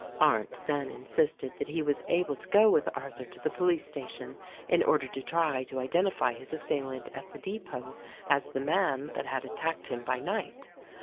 Arndt then insisted that he was able to go with Arthur to the police station in order to try to identify his assailant at the depot as the man that had attacked him by night.